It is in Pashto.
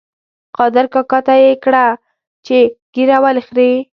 قادر کاکا ته یې کړه چې ږیره ولې خرېیې؟